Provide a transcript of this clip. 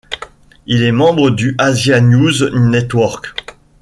Il est membre du Asia News Network.